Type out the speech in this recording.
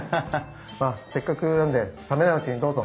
まあせっかくなんで冷めないうちにどうぞ。